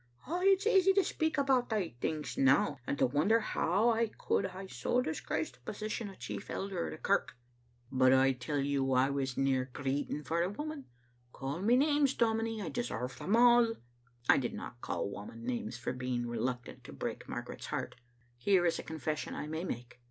Ay, it's easy to speak about thae things now, and to wonder how I could hae so disgraced the position o* chief elder o' the kirk, but Digitized by VjOOQ IC SBO Vbc Kittle Aintetet. I tell you I was near greeting for the woman. Call me names, dominie; I deserve them all." I did not call Whamond names for being reluctant to break Margaret's heart. Here is a confession I may make.